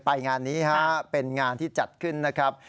งานนี้ฮะเป็นงานที่จัดขึ้นนะครับ